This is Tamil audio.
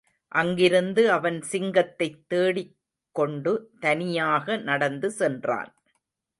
அங்கிருந்து அவன் சிங்கத்தைத் தேடிக்கொண்டு தனியாக நடந்து சென்றான்.